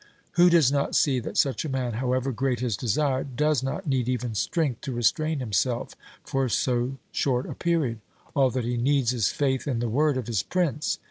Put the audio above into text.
— Who does not see that such a man, however great his desire, does not need even strength to restrain himself for so short a period? All that he needs is faith in the word of his prince.